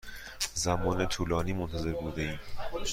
زمان طولانی منتظر بوده ایم.